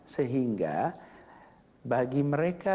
sehingga bagi mereka